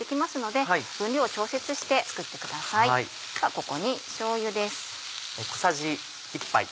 ではここにしょうゆです。